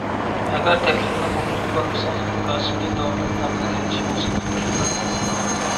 ئەگەر تەكلىپىمنى قوبۇل قىلالمىسىڭىز ئىنكاسىمدىن داۋاملىق نەقىل ئېلىشىڭىزغا قوشۇلىمەن!